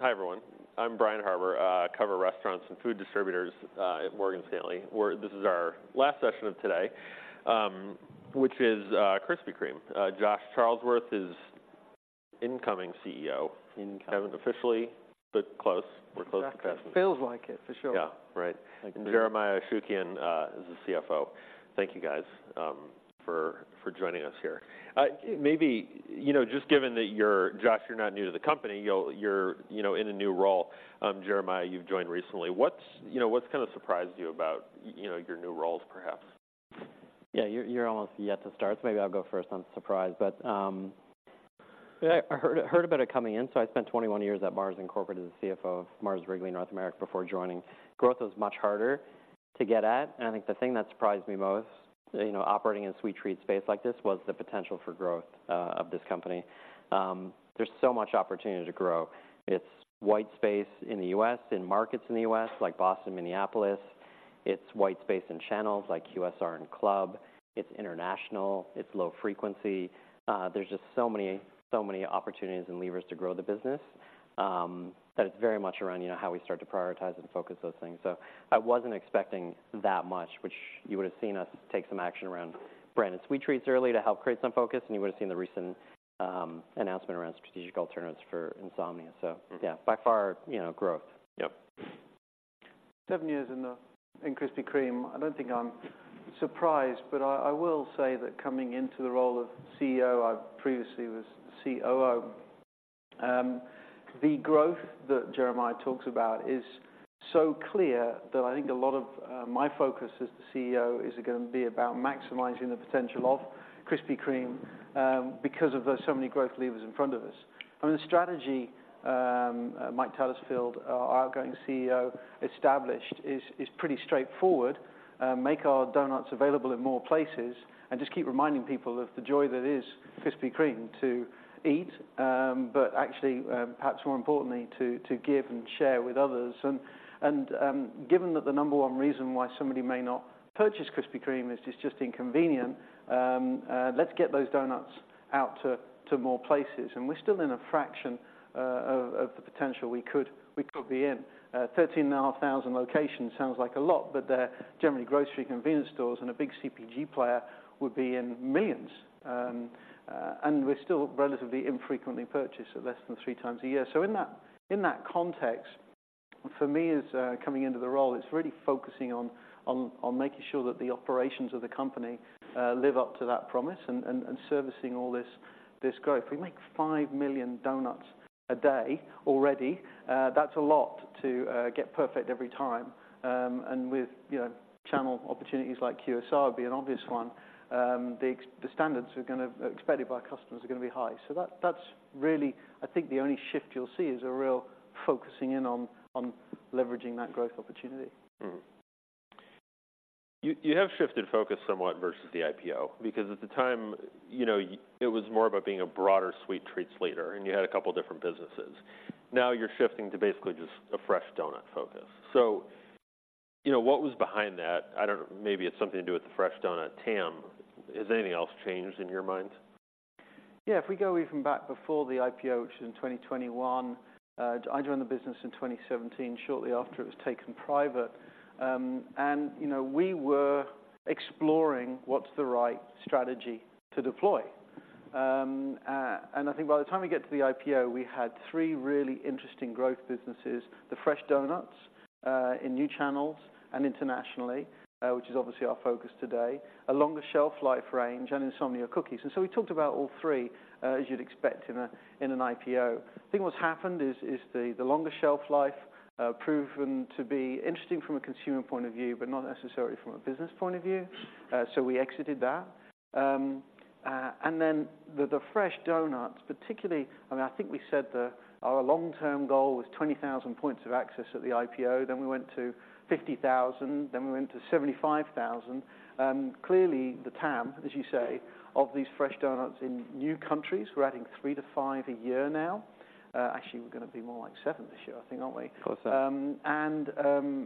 Hi, everyone. I'm Brian Harbour. I cover restaurants and food distributors at Morgan Stanley. This is our last session of today, which is Krispy Kreme. Josh Charlesworth is incoming CEO. Incoming. Haven't officially, but close. We're close to passing. Feels like it, for sure. Yeah. Right. Agreed. Jeremiah Ashukian is the CFO. Thank you, guys, for joining us here. Maybe, you know, just given that you're... Josh, you're not new to the company, you're, you know, in a new role. Jeremiah, you've joined recently. What's you know, what's kind of surprised you about, you know, your new roles, perhaps? Yeah, you're almost yet to start, so maybe I'll go first on surprise. But, yeah, I heard about it coming in. So I spent 21 years at Mars Incorporated as the CFO of Mars Wrigley, North America, before joining. Growth was much harder to get at, and I think the thing that surprised me most, you know, operating in a sweet treat space like this, was the potential for growth of this company. There's so much opportunity to grow. It's white space in the U.S., in markets in the U.S., like Boston, Minneapolis. It's white space in channels like QSR and club. It's international, it's low frequency. There's just so many opportunities and levers to grow the business. That it's very much around, you know, how we start to prioritize and focus those things. So I wasn't expecting that much, which you would have seen us take some action around brand and sweet treats early to help create some focus, and you would have seen the recent announcement around strategic alternatives for Insomnia. So yeah, by far, you know, growth. Yep. Seven years in Krispy Kreme. I don't think I'm surprised, but I will say that coming into the role of CEO, I previously was COO. The growth that Jeremiah talks about is so clear that I think a lot of my focus as the CEO is gonna be about maximizing the potential of Krispy Kreme, because of those so many growth levers in front of us. And the strategy Mike Tattersfield, our outgoing CEO, established is pretty straightforward: Make our donuts available in more places and just keep reminding people of the joy that is Krispy Kreme to eat, but actually, perhaps more importantly, to give and share with others. Given that the number one reason why somebody may not purchase Krispy Kreme is it's just inconvenient, let's get those donuts out to more places. We're still in a fraction of the potential we could be in. 13,500 locations sounds like a lot, but they're generally grocery convenience stores, and a big CPG player would be in millions. And we're still relatively infrequently purchased, so less than 3x a year. In that context, for me as coming into the role, it's really focusing on making sure that the operations of the company live up to that promise and servicing all this growth. We make 5 million donuts a day already. That's a lot to get perfect every time. And with, you know, channel opportunities like QSR being an obvious one, the standards expected by our customers are gonna be high. So that's really I think the only shift you'll see is a real focusing in on leveraging that growth opportunity. You have shifted focus somewhat versus the IPO, because at the time, you know, it was more about being a broader sweet treats leader, and you had a couple different businesses. Now, you're shifting to basically just a fresh donut focus. So, you know, what was behind that? Maybe it's something to do with the fresh donut TAM. Has anything else changed in your mind? Yeah, if we go even back before the IPO, which was in 2021, I joined the business in 2017, shortly after it was taken private. And you know, we were exploring what's the right strategy to deploy. And I think by the time we get to the IPO, we had three really interesting growth businesses: the fresh donuts in new channels and internationally, which is obviously our focus today, a longer shelf life range, and Insomnia Cookies. And so we talked about all three, as you'd expect in an IPO. I think what's happened is the longer shelf life proven to be interesting from a consumer point of view, but not necessarily from a business point of view. So we exited that. And then the fresh donuts, particularly... I mean, I think we said that our long-term goal was 20,000 points of access at the IPO. Then we went to 50,000, then we went to 75,000. Clearly, the TAM, as you say, of these fresh donuts in new countries, we're adding three to five a year now. Actually, we're gonna be more like seven this year, I think, aren't we? Of course.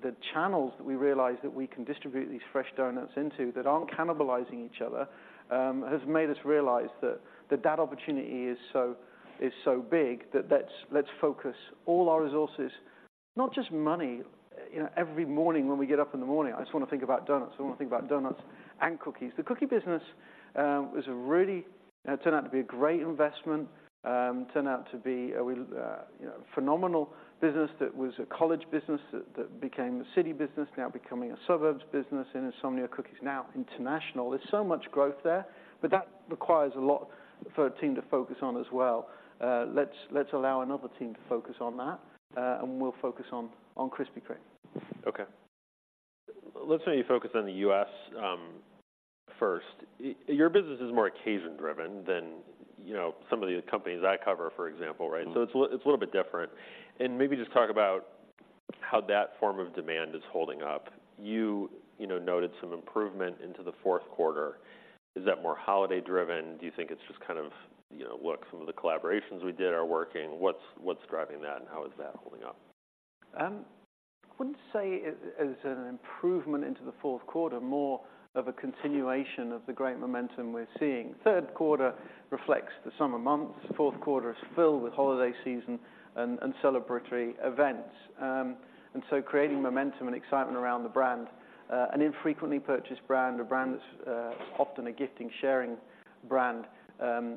The channels that we realize that we can distribute these fresh donuts into, that aren't cannibalizing each other, has made us realize that that opportunity is so big that let's focus all our resources, not just money. You know, every morning when we get up in the morning, I just wanna think about donuts. I wanna think about donuts and cookies. The cookie business turned out to be a great investment, turned out to be a, you know, phenomenal business that was a college business, that became a city business, now becoming a suburbs business, and Insomnia Cookies, now international. There's so much growth there, but that requires a lot for a team to focus on as well. Let's allow another team to focus on that, and we'll focus on Krispy Kreme. Okay. Let's say you focus on the U.S., first. Your business is more occasion driven than, you know, some of the companies I cover, for example, right? It's a little bit different. Maybe just talk about how that form of demand is holding up. You know, noted some improvement into the Q4. Is that more holiday driven? Do you think it's just kind of, you know, "Look, some of the collaborations we did are working"? What's driving that, and how is that holding up? I wouldn't say it's an improvement into the Q4, more of a continuation of the great momentum we're seeing. Q3 reflects the summer months, Q4 is filled with holiday season and celebratory events. And so creating momentum and excitement around the brand, an infrequently purchased brand, a brand that's often a gifting, sharing brand,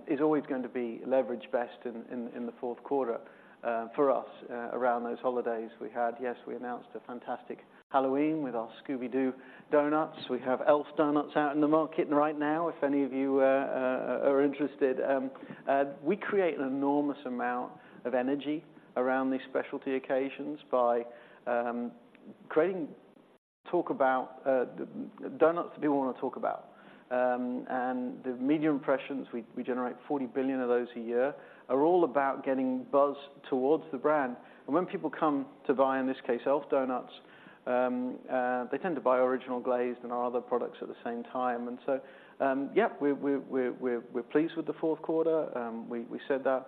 is always going to be leveraged best in the Q4, for us, around those holidays we had. Yes, we announced a fantastic Halloween with our Scooby-Doo donuts. We have Elf donuts out in the market right now, if any of you are interested. We create an enormous amount of energy around these specialty occasions by creating talk about the donuts people want to talk about. And the media impressions we generate 40 billion of those a year are all about getting buzz toward the brand. And when people come to buy, in this case, Elf donuts, they tend to buy Original Glazed and our other products at the same time. And so, yeah, we're pleased with the Q4. We said that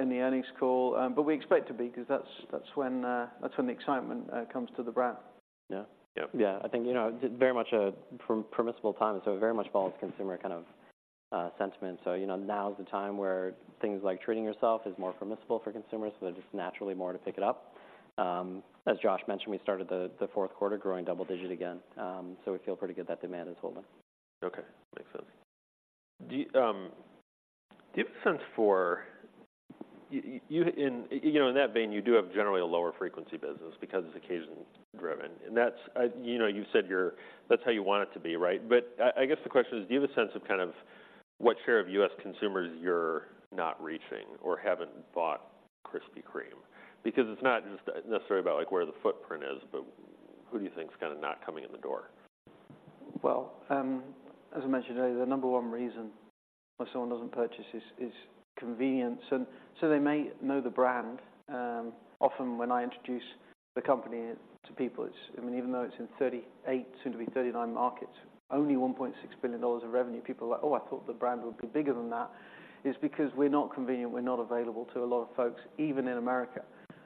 in the earnings call, but we expect to be, 'cause that's when the excitement comes to the brand. Yeah. Yep. Yeah, I think, you know, very much permissible time, so it very much follows consumer kind of sentiment. So, you know, now is the time where things like treating yourself is more permissible for consumers, so they're just naturally more to pick it up. As Josh mentioned, we started the Q4 growing double digit again, so we feel pretty good that demand is holding. Okay, makes sense. Do you have a sense for, you know, in that vein, you do have generally a lower frequency business because it's occasion driven, and that's, you know, you said that's how you want it to be, right? But I guess, the question is, do you have a sense of kind of what share of U.S. consumers you're not reaching or haven't bought Krispy Kreme? Because it's not just necessarily about, like, where the footprint is, but who do you think is kind of not coming in the door? Well, as I mentioned earlier, the number one reason why someone doesn't purchase is convenience. And so they may know the brand. Often when I introduce the company to people, it's, I mean, even though it's in 38, soon to be 39 markets, only $1.6 billion of revenue. People are like, "Oh, I thought the brand would be bigger than that," is because we're not convenient, we're not available to a lot of folks, even in America.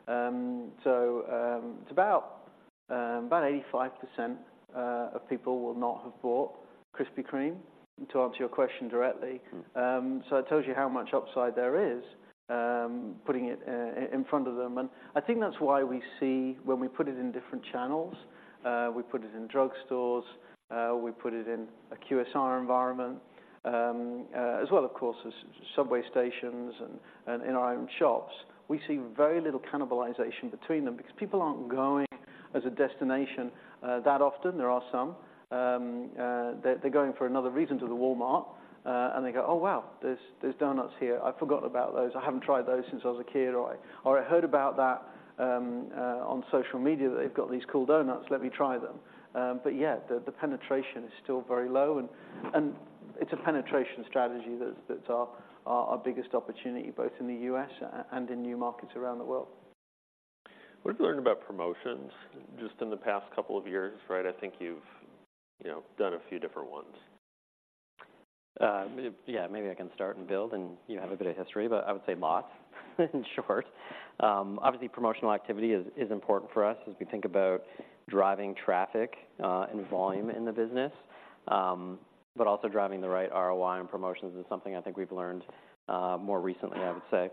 So, it's about 85% of people will not have bought Krispy Kreme, to answer your question directly. So it tells you how much upside there is, putting it in front of them. And I think that's why we see when we put it in different channels, we put it in drugstores, we put it in a QSR environment, as well, of course, as subway stations and in our own shops, we see very little cannibalization between them because people aren't going as a destination that often. There are some, they're going for another reason to the Walmart, and they go, "Oh, wow! There's donuts here. I forgot about those. I haven't tried those since I was a kid," or, "I heard about that on social media, that they've got these cool donuts. Let me try them." But yeah, the penetration is still very low, and it's a penetration strategy that's our biggest opportunity, both in the U.S. and in new markets around the world. What have you learned about promotions just in the past couple of years, right? I think you've, you know, done a few different ones. Yeah, maybe I can start and build, and you have a bit of history, but I would say lots, in short. Obviously, promotional activity is important for us as we think about driving traffic and volume in the business, but also driving the right ROI on promotions is something I think we've learned more recently, I would say.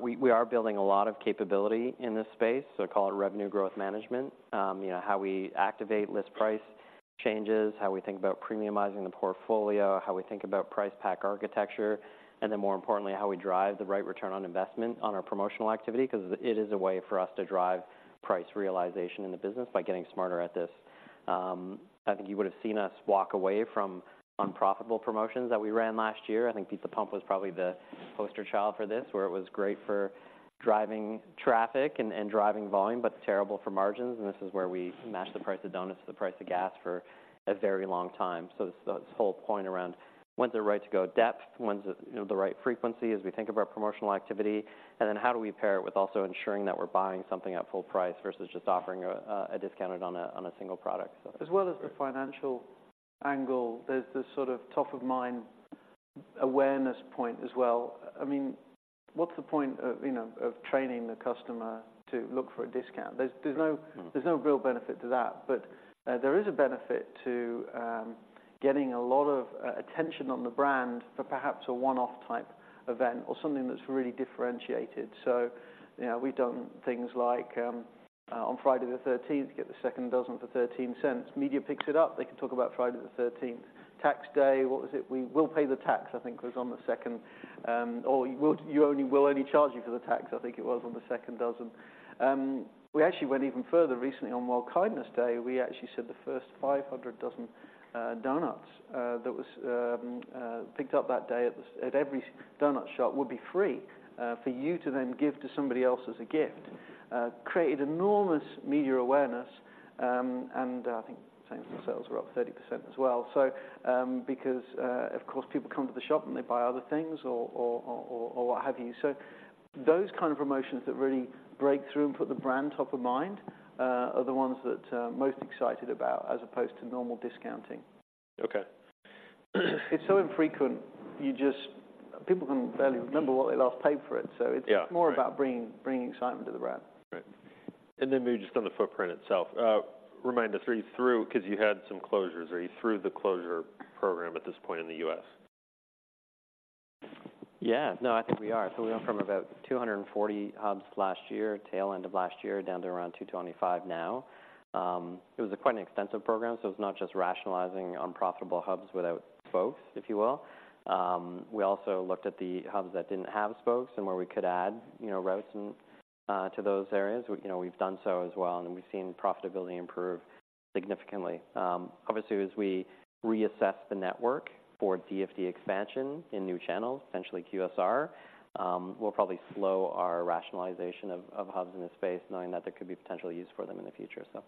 We are building a lot of capability in this space, so call it Revenue Growth Management. You know, how we activate list price changes, how we think about premiumizing the portfolio, how we think about price pack architecture, and then more importantly, how we drive the right return on investment on our promotional activity, 'cause it is a way for us to drive price realization in the business by getting smarter at this. I think you would have seen us walk away from unprofitable promotions that we ran last year. I think Pizza Pump was probably the poster child for this, where it was great for driving traffic and driving volume, but terrible for margins, and this is where we matched the price of donuts to the price of gas for a very long time. So this whole point around when's the right to go depth, when's the, you know, the right frequency as we think about promotional activity, and then how do we pair it with also ensuring that we're buying something at full price versus just offering a discount on a single product, so. As well as the financial angle, there's this sort of top-of-mind awareness point as well. I mean, what's the point of, you know, of training the customer to look for a discount? There's no real benefit to that. But there is a benefit to getting a lot of attention on the brand for perhaps a one-off type event or something that's really differentiated. So, you know, we've done things like on Friday the 13th, get the second dozen for $0.13. Media picks it up, they can talk about Friday the 13th. Tax Day, what was it? We will pay the tax, I think, was on the second, or we'll- you only- we'll only charge you for the tax, I think it was on the second dozen. We actually went even further recently on World Kindness Day. We actually said the first 500 dozen doughnuts that was picked up that day at every doughnut shop would be free for you to then give to somebody else as a gift. Created enormous media awareness, and I think same sales were up 30% as well. So because of course people come to the shop, and they buy other things or what have you. So those kind of promotions that really break through and put the brand top of mind are the ones that I'm most excited about, as opposed to normal discounting. Okay. It's so infrequent, people can barely remember what they last paid for it. Yeah. It's more about bringing excitement to the brand. Right. And then maybe just on the footprint itself, remind us, are you through, 'cause you had some closures? Are you through the closure program at this point in the U.S.? Yeah. No, I think we are. So we went from about 240 hubs last year, tail end of last year, down to around 225 now. It was quite an extensive program, so it's not just rationalizing unprofitable hubs without spokes, if you will. We also looked at the hubs that didn't have spokes, and where we could add, you know, routes and to those areas. We, you know, we've done so as well, and we've seen profitability improve significantly. Obviously, as we reassess the network for DFD expansion in new channels, essentially QSR, we'll probably slow our rationalization of hubs in the space, knowing that there could be potential use for them in the future, so.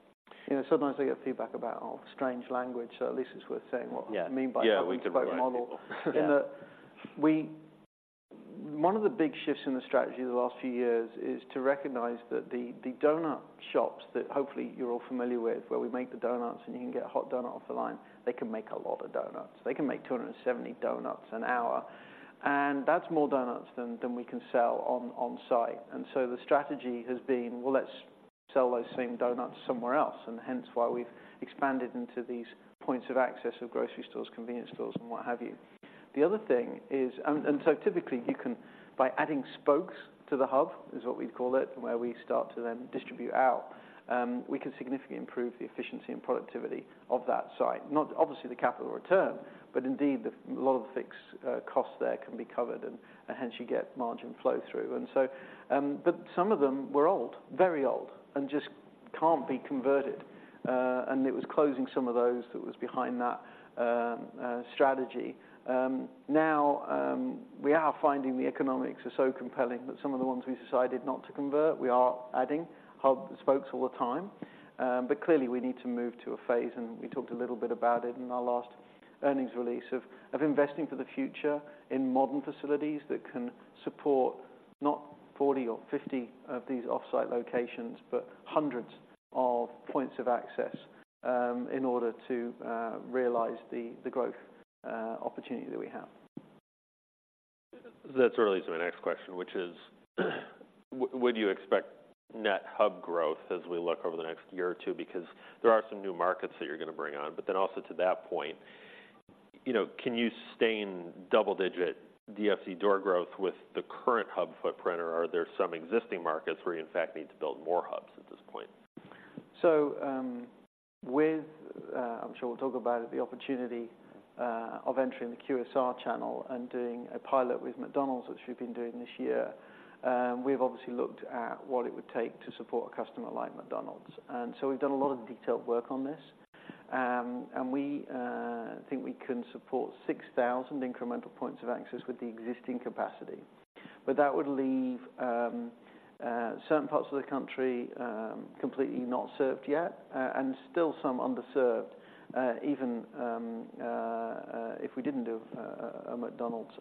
You know, sometimes I get feedback about, oh, strange language, so at least it's worth saying what we mean by Hub and Spoke model. Yeah, we can provide people. One of the big shifts in the strategy in the last few years is to recognize that the donut shops that hopefully you're all familiar with, where we make the donuts and you can get a hot donut off the line, they can make a lot of donuts. They can make 270 donuts an hour, and that's more donuts than we can sell on-site. And so the strategy has been, well, let's sell those same donuts somewhere else, and hence why we've expanded into these Points of Access, so grocery stores, convenience stores, and what have you. The other thing is, and so typically, you can, by adding spokes to the hub, is what we'd call it, from where we start to then distribute out, we can significantly improve the efficiency and productivity of that site. Not obviously the capital return, but indeed, the lot of fixed costs there can be covered, and hence you get margin flow-through. But some of them were old, very old, and just can't be converted, and it was closing some of those that was behind that strategy. Now, we are finding the economics are so compelling that some of the ones we decided not to convert, we are adding hub spokes all the time. But clearly, we need to move to a phase, and we talked a little bit about it in our last earnings release, of investing for the future in modern facilities that can support not 40 or 50 of these off-site locations, but hundreds of points of access, in order to realize the growth opportunity that we have. That sort of leads to my next question, which is, would you expect net hub growth as we look over the next year or two? Because there are some new markets that you're going to bring on, but then also to that point, you know, can you sustain double-digit DFC door growth with the current hub footprint, or are there some existing markets where you, in fact, need to build more hubs at this point? So, with, I'm sure we'll talk about it, the opportunity of entering the QSR channel and doing a pilot with McDonald's, which we've been doing this year, we've obviously looked at what it would take to support a customer like McDonald's. And so we've done a lot of detailed work on this, and we think we can support 6,000 incremental points of access with the existing capacity. But that would leave certain parts of the country completely not served yet, and still some underserved even if we didn't do a McDonald's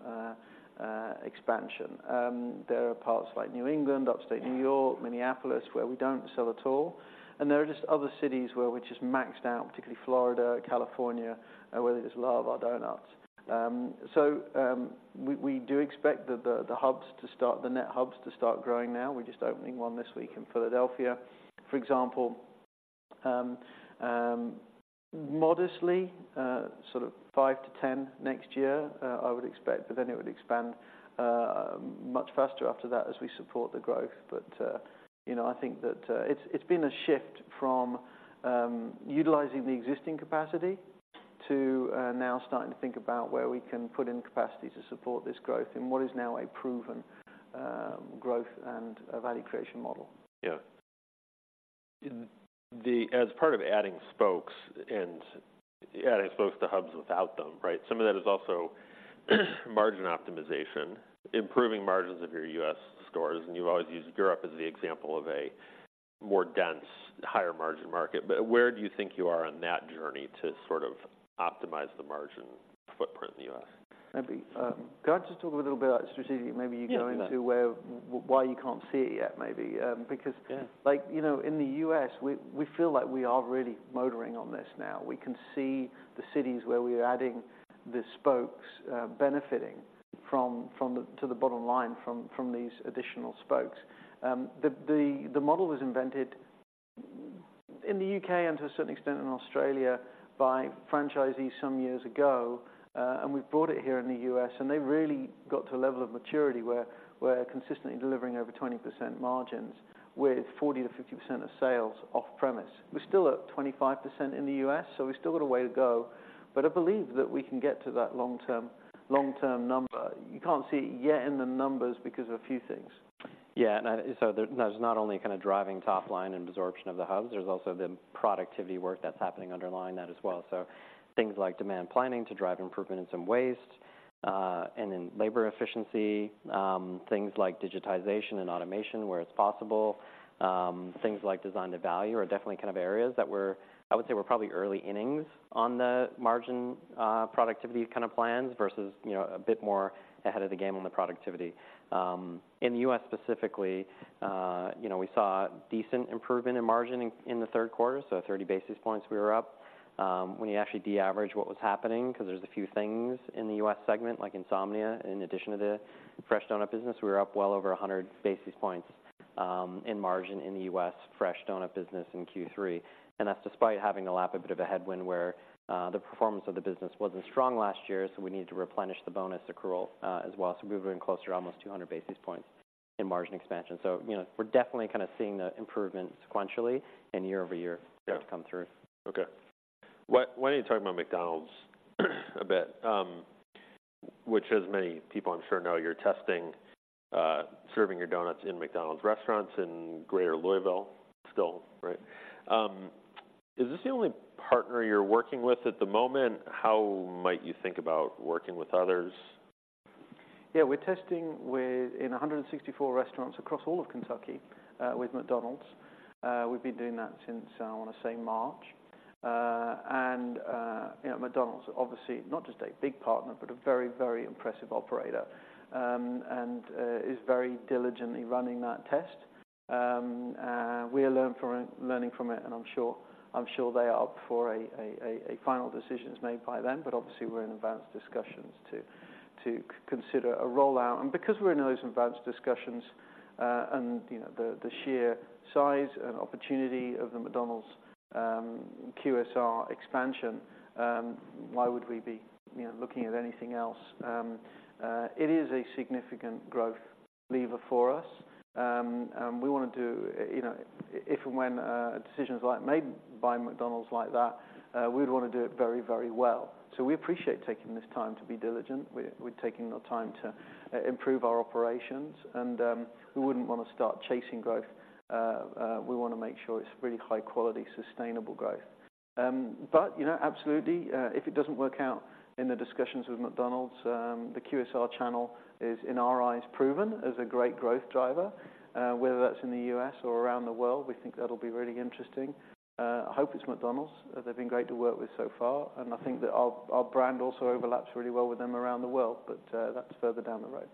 expansion. There are parts like New England, Upstate New York, Minneapolis, where we don't sell at all, and there are just other cities where we're just maxed out, particularly Florida, California, where they just love our donuts. So, we do expect the net hubs to start growing now. We're just opening one this week in Philadelphia, for example, modestly, sort of 5-10 next year, I would expect, but then it would expand much faster after that as we support the growth. But, you know, I think that it's been a shift from utilizing the existing capacity to now starting to think about where we can put in capacity to support this growth and what is now a proven growth and a value creation model. Yeah. As part of adding spokes and adding spokes to hubs without them, right? Some of that is also margin optimization, improving margins of your U.S. stores, and you've always used Europe as the example of a more dense, higher-margin market. But where do you think you are on that journey to sort of optimize the margin footprint in the U.S.? Maybe, can I just talk a little bit about specifically, maybe- Yeah, go ahead. -you go into where, why you can't see it yet, maybe. Yeah. Because, like, you know, in the U.S., we feel like we are really motoring on this now. We can see the cities where we are adding the spokes, benefiting from these additional spokes to the bottom line. The model was invented in the U.K. and to a certain extent in Australia by franchisees some years ago, and we've brought it here in the U.S., and they've really got to a level of maturity where we're consistently delivering over 20% margins, with 40%-50% of sales off-premise. We're still at 25% in the U.S., so we still got a way to go, but I believe that we can get to that long-term, long-term number. You can't see it yet in the numbers because of a few things. Yeah, and so there, there's not only kind of driving top line and absorption of the hubs, there's also the productivity work that's happening underlying that as well. So things like demand planning to drive improvement in some waste, and in labor efficiency, things like digitization and automation, where it's possible, things like design to value are definitely kind of areas that we're—I would say we're probably early innings on the margin, productivity kind of plans versus, you know, a bit more ahead of the game on the productivity. In the U.S. specifically, you know, we saw decent improvement in margin in the Q3, so 30 basis points we were up. When you actually de-average what was happening, 'cause there's a few things in the U.S. segment, like Insomnia, in addition to the fresh doughnut business, we were up well over 100 basis points in margin in the U.S. fresh doughnut business in Q3, and that's despite having to lap a bit of a headwind where the performance of the business wasn't strong last year, so we needed to replenish the bonus accrual as well. So we were getting closer to almost 200 basis points in margin expansion. So, you know, we're definitely kind of seeing the improvement sequentially and year-over-year come through. Okay. Why, why don't you talk about McDonald's, a bit? Which as many people I'm sure know, you're testing, serving your doughnuts in McDonald's restaurants in Greater Louisville still, right? Is this the only partner you're working with at the moment? How might you think about working with others? Yeah, we're testing with 164 restaurants across all of Kentucky with McDonald's. We've been doing that since, I want to say, March. And you know, McDonald's, obviously, not just a big partner, but a very, very impressive operator, and is very diligently running that test. We are learning from it, and I'm sure they are before a final decision is made by them. But obviously, we're in advanced discussions to consider a rollout. And because we're in those advanced discussions, and you know, the sheer size and opportunity of the McDonald's QSR expansion, why would we be, you know, looking at anything else? It is a significant growth lever for us, and we want to do, you know, if and when a decision is like made by McDonald's like that, we'd want to do it very, very well. So we appreciate taking this time to be diligent. We're taking the time to improve our operations and we wouldn't want to start chasing growth. We want to make sure it's really high-quality, sustainable growth. But, you know, absolutely, if it doesn't work out in the discussions with McDonald's, the QSR channel is, in our eyes, proven as a great growth driver. Whether that's in the U.S. or around the world, we think that'll be really interesting. I hope it's McDonald's. They've been great to work with so far, and I think that our brand also overlaps really well with them around the world, but that's further down the road.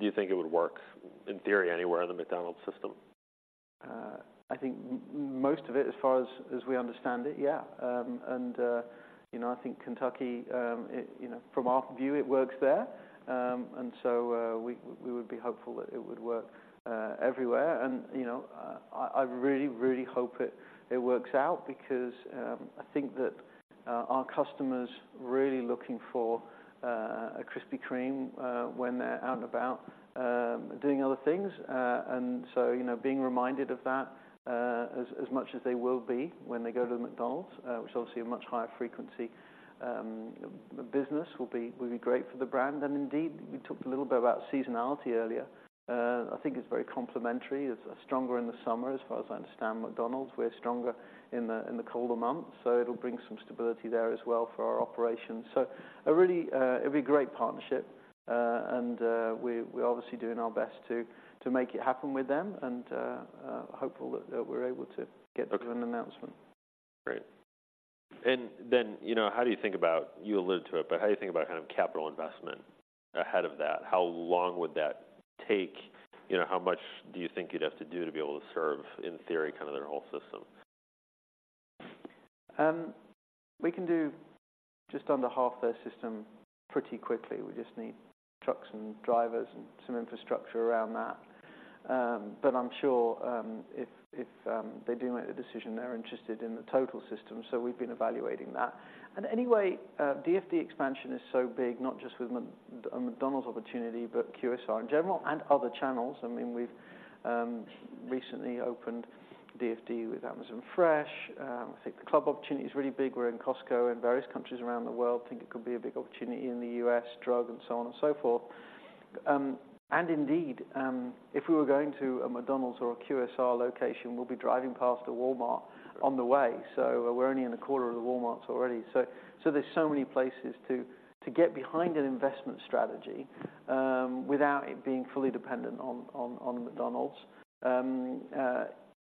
Do you think it would work, in theory, anywhere in the McDonald's system? I think most of it, as far as we understand it, yeah. And, you know, I think Kentucky, it, you know, from our view, it works there. And so, we would be hopeful that it would work everywhere. And, you know, I really, really hope it works out because I think that our customers are really looking for a Krispy Kreme when they're out and about doing other things. And so, you know, being reminded of that, as much as they will be when they go to the McDonald's, which obviously a much higher frequency business, will be great for the brand. And indeed, we talked a little bit about seasonality earlier. I think it's very complementary. It's stronger in the summer, as far as I understand McDonald's. We're stronger in the colder months, so it'll bring some stability there as well for our operations. So a really, it'd be a great partnership, and we're obviously doing our best to make it happen with them and hopeful that we're able to get to an announcement. Okay. Great. And then, you know, how do you think about, you alluded to it, but how do you think about kind of capital investment ahead of that? How long would that take? You know, how much do you think you'd have to do to be able to serve, in theory, kind of their whole system? We can do just under half their system pretty quickly. We just need trucks and drivers and some infrastructure around that. But I'm sure, if, if, they do make the decision, they're interested in the total system, so we've been evaluating that. And anyway, DFD expansion is so big, not just with McDonald's opportunity, but QSR in general and other channels. I mean, we've recently opened DFD with Amazon Fresh. I think the club opportunity is really big. We're in Costco in various countries around the world. I think it could be a big opportunity in the US, drug and so on and so forth. And indeed, if we were going to a McDonald's or a QSR location, we'll be driving past a Walmart on the way. So we're only in a quarter of the Walmarts already. So there's so many places to get behind an investment strategy, without it being fully dependent on McDonald's.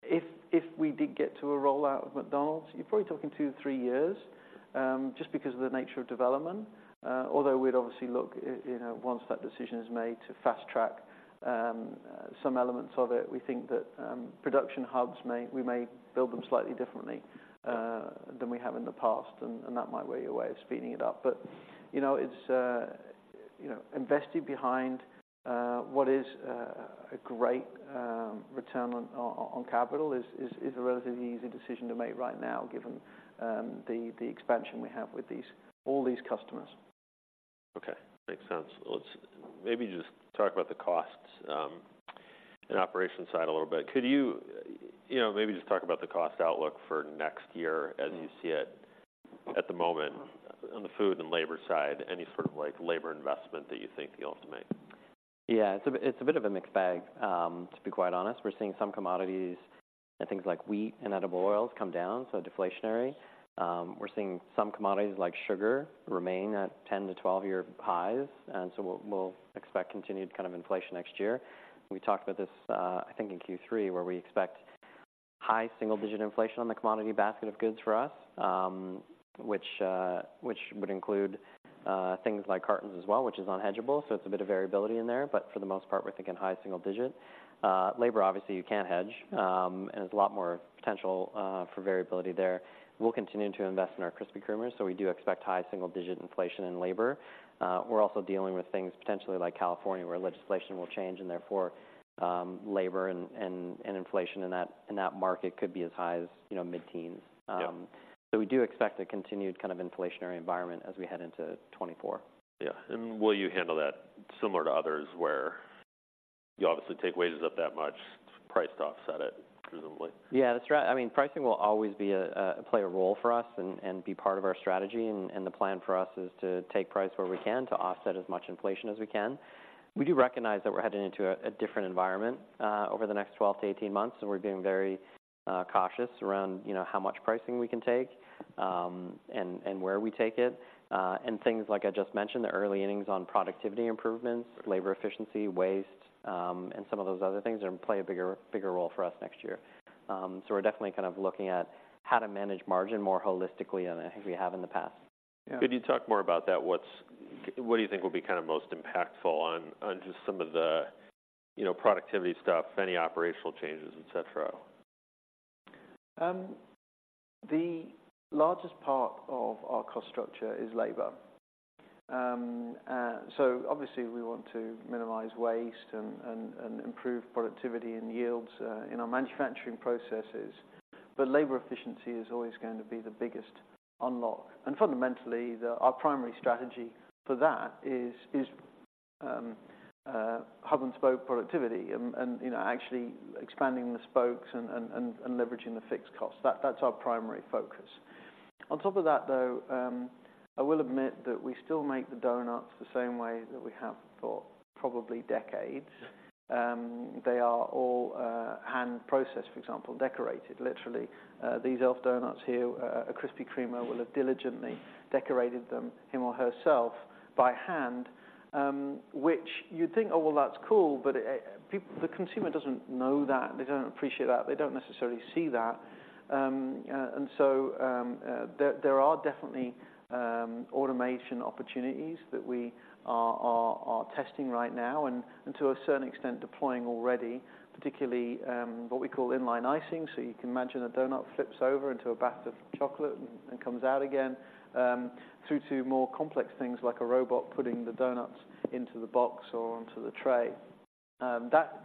If we did get to a rollout of McDonald's, you're probably talking two to three years, just because of the nature of development. Although we'd obviously look, you know, once that decision is made, to fast track some elements of it. We think that production hubs we may build them slightly differently, than we have in the past, and that might be a way of speeding it up. But, you know, it's you know, investing behind what is a great return on capital is a relatively easy decision to make right now, given the expansion we have with all these customers. Okay. Makes sense. Let's maybe just talk about the costs and operation side a little bit. Could you, you know, maybe just talk about the cost outlook for next year as you see it at the moment on the food and labor side, any sort of, like, labor investment that you think you'll have to make? Yeah, it's a bit, it's a bit of a mixed bag, to be quite honest. We're seeing some commodities and things like wheat and edible oils come down, so deflationary. We're seeing some commodities like sugar remain at 10- to 12-year highs, and so we'll, we'll expect continued kind of inflation next year. We talked about this, I think in Q3, where we expect high single-digit inflation on the commodity basket of goods for us. Which would include things like cartons as well, which is unhedgable, so it's a bit of variability in there, but for the most part, we're thinking high single digit. Labor, obviously, you can't hedge, and there's a lot more potential for variability there. We'll continue to invest in our Krispy Kremers, so we do expect high single-digit inflation in labor. We're also dealing with things potentially like California, where legislation will change and therefore, labor and inflation in that market could be as high as, you know, mid-teens. Yeah. We do expect a continued kind of inflationary environment as we head into 2024. Yeah. Will you handle that similar to others, where you obviously take wages up that much, price to offset it, presumably? Yeah, that's right. I mean, pricing will always be a play a role for us and be part of our strategy. And the plan for us is to take price where we can to offset as much inflation as we can. We do recognize that we're heading into a different environment over the next 12-18 months, and we're being very cautious around, you know, how much pricing we can take, and where we take it. And things like I just mentioned, the early innings on productivity improvements, labor efficiency, waste, and some of those other things are gonna play a bigger role for us next year. So we're definitely kind of looking at how to manage margin more holistically than I think we have in the past. Yeah. Could you talk more about that? What do you think will be kind of most impactful on, on just some of the, you know, productivity stuff, any operational changes, et cetera? The largest part of our cost structure is labor. So obviously we want to minimize waste and improve productivity and yields in our manufacturing processes, but labor efficiency is always going to be the biggest unlock. And fundamentally, our primary strategy for that is hub and spoke productivity and, you know, actually expanding the spokes and leveraging the fixed costs. That's our primary focus. On top of that, though, I will admit that we still make the donuts the same way that we have for probably decades. Yeah. They are all hand-processed, for example, decorated, literally. These Elf donuts here, a Krispy Kreme will have diligently decorated them, him or herself, by hand. Which you'd think, oh, well, that's cool, but the consumer doesn't know that. They don't appreciate that. They don't necessarily see that. And so, there are definitely automation opportunities that we are testing right now, and to a certain extent, deploying already, particularly what we call in-line icing. So you can imagine a donut flips over into a bath of chocolate and comes out again, through to more complex things like a robot putting the donuts into the box or onto the tray.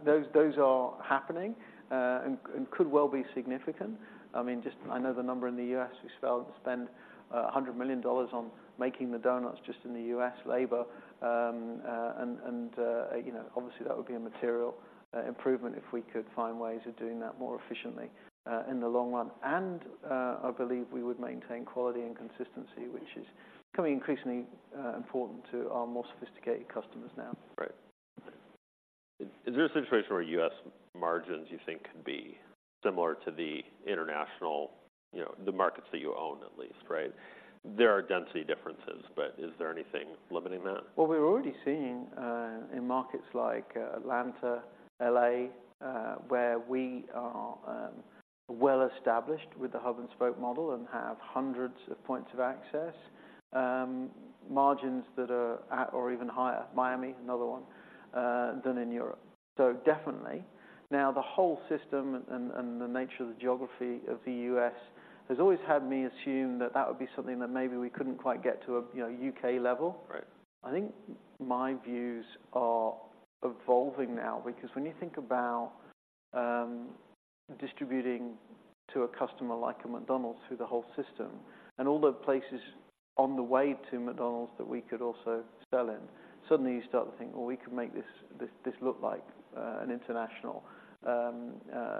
Those are happening, and could well be significant. I mean, just I know the number in the U.S., we spend $100 million on making the donuts just in the U.S., labor. You know, obviously, that would be a material improvement if we could find ways of doing that more efficiently in the long run. And I believe we would maintain quality and consistency, which is becoming increasingly important to our more sophisticated customers now. Right. Is there a situation where U.S. margins, you think, could be similar to the international, you know, the markets that you own, at least, right? There are density differences, but is there anything limiting that? Well, we're already seeing in markets like Atlanta, L.A., where we are well-established with the Hub and Spoke model and have hundreds of Points of Access, margins that are at or even higher, Miami, another one, than in Europe. So definitely. Now, the whole system and the nature of the geography of the U.S. has always had me assume that that would be something that maybe we couldn't quite get to a, you know, U.K. level. Right. I think my views are evolving now, because when you think about distributing to a customer like a McDonald's through the whole system and all the places on the way to McDonald's that we could also sell in, suddenly you start to think, "Well, we could make this, this, this look like an international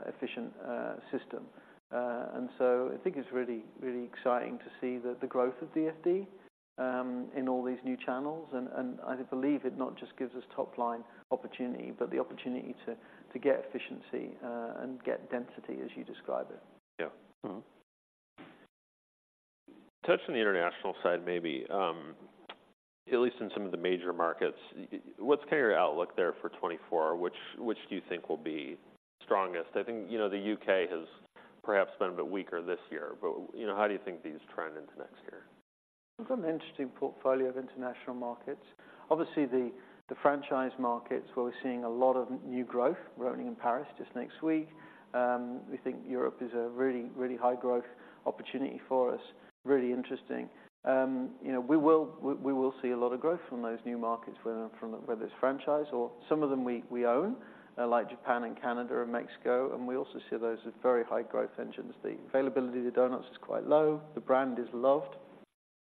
efficient system." And so I think it's really, really exciting to see the growth of DFD in all these new channels, and I believe it not just gives us top-line opportunity, but the opportunity to get efficiency and get density, as you describe it. Yeah. Touching on the international side, maybe at least in some of the major markets, what's kind of your outlook there for 2024? Which do you think will be strongest? I think, you know, the U.K. has perhaps been a bit weaker this year, but, you know, how do you think these trend into next year? We've got an interesting portfolio of international markets. Obviously, the franchise markets, where we're seeing a lot of new growth, we're opening in Paris just next week. We think Europe is a really, really high growth opportunity for us. Really interesting. You know, we will see a lot of growth from those new markets, whether it's franchise or some of them we own, like Japan and Canada and Mexico, and we also see those as very high growth engines. The availability to donuts is quite low, the brand is loved,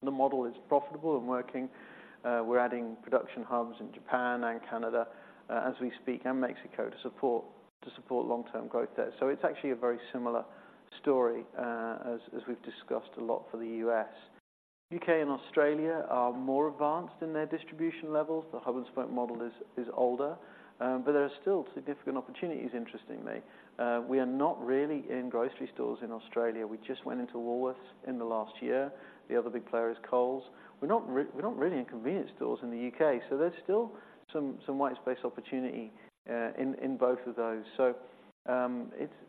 the model is profitable and working. We're adding production hubs in Japan and Canada, as we speak, and Mexico, to support long-term growth there. So it's actually a very similar story, as we've discussed a lot for the U.S.. U.K. and Australia are more advanced in their distribution levels. The Hub and Spoke model is older, but there are still significant opportunities, interestingly. We are not really in grocery stores in Australia. We just went into Woolworths in the last year. The other big player is Coles. We're not really in convenience stores in the U.K., so there's still some white space opportunity in both of those. So,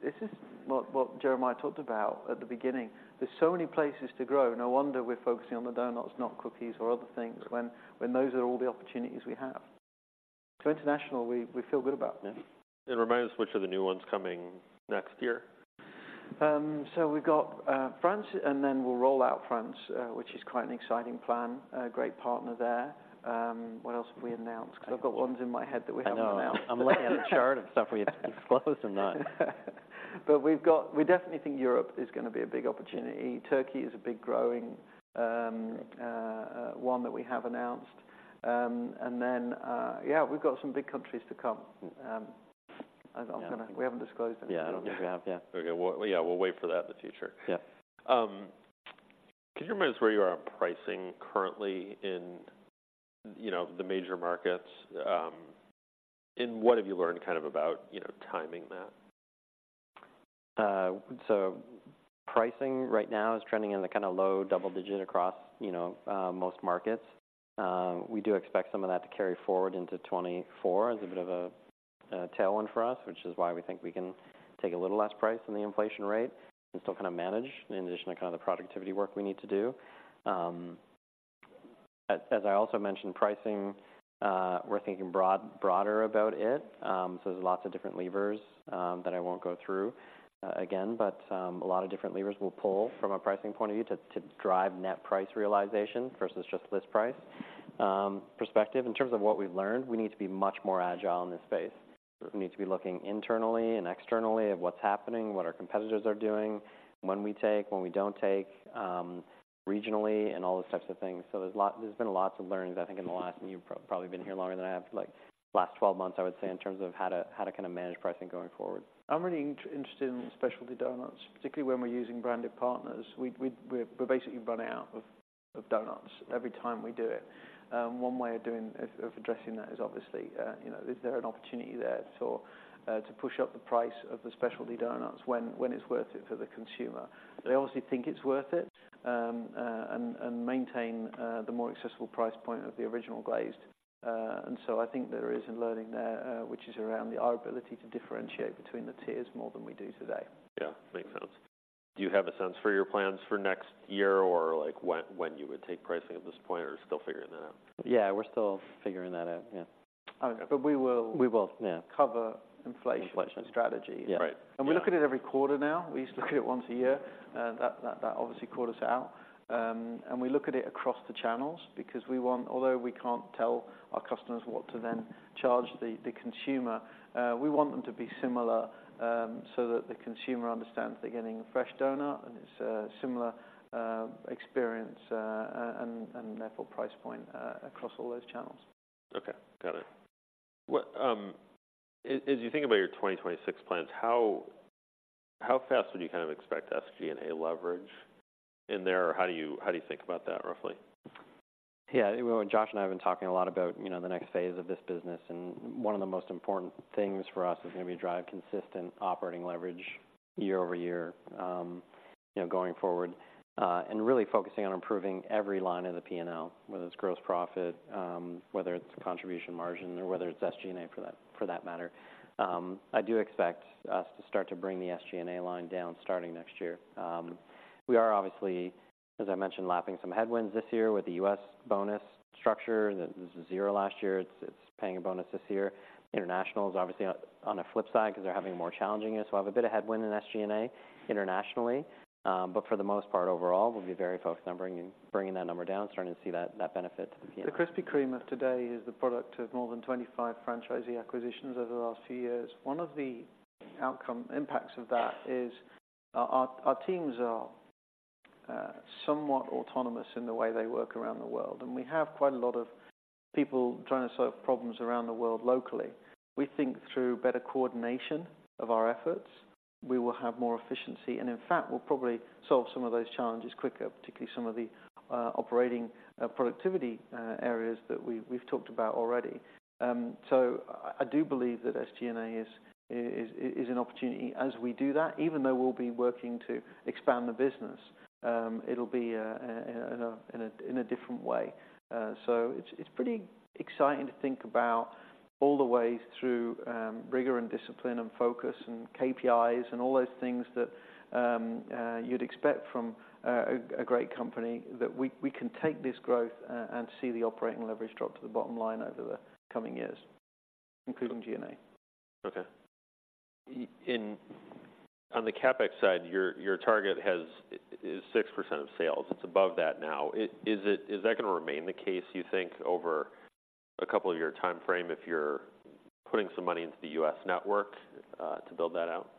this is what Jeremiah talked about at the beginning. There's so many places to grow. No wonder we're focusing on the donuts, not cookies or other things, when those are all the opportunities we have. So international, we feel good about, yeah. Remind us, which are the new ones coming next year? So we've got France, and then we'll roll out France, which is quite an exciting plan, a great partner there. What else have we announced? 'Cause I've got ones in my head that we haven't announced. I know. I'm looking at a chart of stuff we had disclosed or not. But we've got, we definitely think Europe is gonna be a big opportunity. Turkey is a big, growing, one that we have announced. And then, yeah, we've got some big countries to come. I'm gonna- Yeah. We haven't disclosed any. Yeah, I don't think we have. Yeah. Okay. Well, yeah, we'll wait for that in the future. Yeah. Could you remind us where you are on pricing currently in, you know, the major markets? And what have you learned kind of about, you know, timing that? So pricing right now is trending in the kind of low double digit across, you know, most markets. We do expect some of that to carry forward into 2024 as a bit of a tailwind for us, which is why we think we can take a little less price than the inflation rate and still kind of manage, in addition to kind of the productivity work we need to do. As I also mentioned, pricing, we're thinking broader about it. So there's lots of different levers that I won't go through again. But a lot of different levers we'll pull from a pricing point of view to drive net price realization versus just list price perspective. In terms of what we've learned, we need to be much more agile in this space. We need to be looking internally and externally of what's happening, what our competitors are doing, when we take, when we don't take, regionally, and all those types of things. So there's been lots of learnings, I think, in the last... And you've probably been here longer than I have, like, last 12 months, I would say, in terms of how to, how to kind of manage pricing going forward. I'm really interested in specialty donuts, particularly when we're using branded partners. We're basically running out of donuts every time we do it. One way of addressing that is obviously is there an opportunity there to push up the price of the specialty donuts when it's worth it for the consumer? They obviously think it's worth it and maintain the more accessible price point of the Original Glazed. And so I think there is a learning there, which is around our ability to differentiate between the tiers more than we do today. Yeah, makes sense. Do you have a sense for your plans for next year or, like, when, when you would take pricing at this point, or you're still figuring that out? Yeah, we're still figuring that out. Yeah. But we will- We will, yeah.... cover inflation- Inflation -strategy. Yeah. Right. Yeah. We look at it every quarter now. We used to look at it once a year. That obviously caught us out. And we look at it across the channels because we want—although we can't tell our customers what to then charge the consumer, we want them to be similar, so that the consumer understands they're getting a fresh donut and it's a similar experience, and therefore, price point across all those channels. Okay. Got it. What, as you think about your 2026 plans, how fast would you kind of expect SG&A leverage in there? Or how do you think about that, roughly? Yeah. Well, Josh and I have been talking a lot about, you know, the next phase of this business, and one of the most important things for us is gonna be drive consistent operating leverage year over year, you know, going forward, and really focusing on improving every line of the P&L, whether it's gross profit, whether it's contribution margin, or whether it's SG&A, for that, for that matter. I do expect us to start to bring the SG&A line down starting next year. We are obviously, as I mentioned, lapping some headwinds this year with the U.S. bonus structure. It was zero last year. It's, it's paying a bonus this year. International is obviously on the flip side because they're having a more challenging year, so we'll have a bit of headwind in SG&A internationally. But for the most part, overall, we'll be very focused on bringing that number down, starting to see that benefit to the P&L. The Krispy Kreme of today is the product of more than 25 franchisee acquisitions over the last few years. One of the outcome impacts of that is our teams are somewhat autonomous in the way they work around the world, and we have quite a lot of people trying to solve problems around the world locally. We think through better coordination of our efforts, we will have more efficiency, and in fact, we'll probably solve some of those challenges quicker, particularly some of the operating productivity areas that we've talked about already. So I do believe that SG&A is an opportunity as we do that, even though we'll be working to expand the business, it'll be in a different way. So it's, it's pretty exciting to think about all the ways through rigor and discipline and focus and KPIs and all those things that you'd expect from a great company, that we can take this growth and see the operating leverage drop to the bottom line over the coming years, including G&A. Okay. On the CapEx side, your target is 6% of sales. It's above that now. Is that gonna remain the case, you think, over a couple of year timeframe, if you're putting some money into the U.S. network to build that out?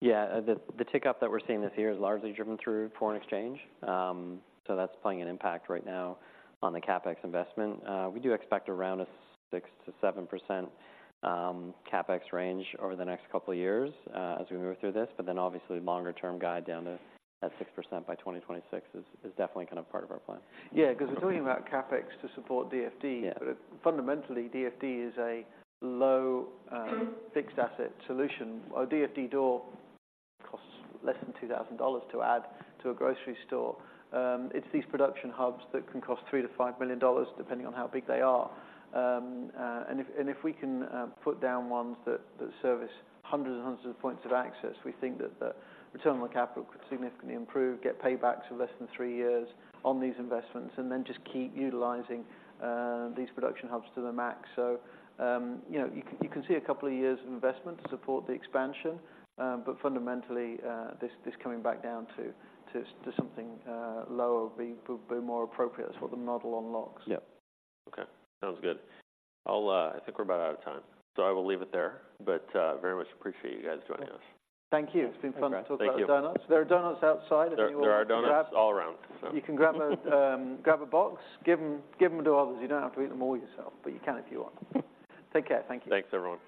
Yeah. The tick up that we're seeing this year is largely driven through foreign exchange. So that's playing an impact right now on the CapEx investment. We do expect around a 6%-7% CapEx range over the next couple of years, as we move through this. But then obviously, longer-term guide down to that 6% by 2026 is definitely kind of part of our plan. Yeah, 'cause we're talking about CapEx to support DFD. Yeah. But fundamentally, DFD is a low, fixed asset solution. A DFD door costs less than $2,000 to add to a grocery store. It's these production hubs that can cost $3 million-$5 million, depending on how big they are. And if we can put down ones that service hundreds and hundreds of points of access, we think that the return on the capital could significantly improve, get paybacks of less than three years on these investments, and then just keep utilizing these production hubs to the max. So, you know, you can see a couple of years of investment to support the expansion, but fundamentally, this coming back down to something lower will be more appropriate. That's what the model unlocks. Yep. Okay, sounds good. I'll, I think we're about out of time, so I will leave it there. But, very much appreciate you guys joining us. Thank you. Thanks. It's been fun to talk- Thank you about donuts. There are donuts outside if you want to grab. There, there are donuts all around, so You can grab a, grab a box. Give them, give them to others. You don't have to eat them all yourself, but you can if you want. Take care. Thank you. Thanks, everyone.